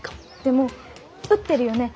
でも売ってるよね